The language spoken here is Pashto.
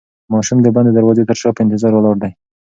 ماشوم د بندې دروازې تر شا په انتظار ولاړ دی.